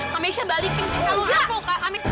kameisha balikin kalung aku kak